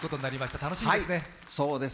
楽しみですね。